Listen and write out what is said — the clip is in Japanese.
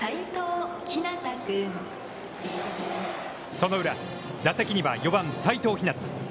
その裏、打席には４番齋藤陽。